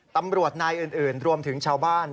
ตำรวจนายอื่นรวมถึงชาวบ้าน